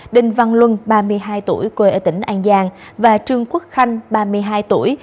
đinh văn luân ba mươi hai tuổi quê ở tỉnh an giang và trương quốc khanh ba mươi hai tuổi